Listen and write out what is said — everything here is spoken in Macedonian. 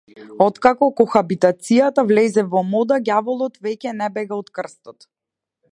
Откако кохабитацијата влезе во мода, ѓаволот веќе не бега од крстот.